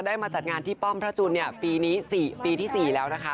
ได้มาจัดงานที่ป้อมพระจุลปีนี้๔ปีที่๔แล้วนะคะ